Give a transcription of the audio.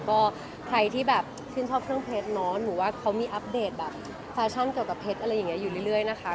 ก็ใครที่แบบชื่นชอบเครื่องเพชรเนอะหนูว่าเขามีอัปเดตแบบแฟชั่นเกี่ยวกับเพชรอะไรอย่างนี้อยู่เรื่อยนะคะ